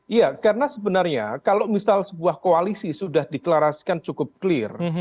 iya karena sebenarnya kalau misal sebuah koalisi sudah deklarasikan cukup clear